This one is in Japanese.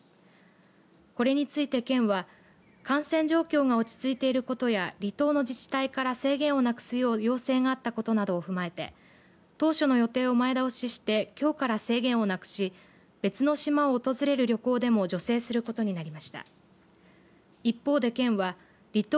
これについて県は感染状況が落ち着いていることや離島の自治体から制限をなくすよう要請があったことなどを踏まえて当初の予定を前倒ししてきょうから制限をなくし別の島を訪れる旅行でも助成することになりました。